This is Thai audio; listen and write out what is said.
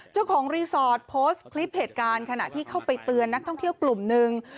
เจ้าของรีสอร์ทโพสต์คลิปเหตุการณ์ขณะที่เข้าไปเตือนนักท่องเที่ยวกลุ่มนึง